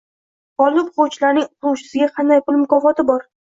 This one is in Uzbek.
Gʻolib oʻquvchilarning oʻqituvchisiga qanday pul mukofoti bor?